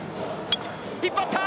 引っ張った！